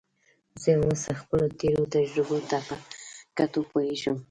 زه اوس خپلو تېرو تجربو ته په کتو پوهېږم.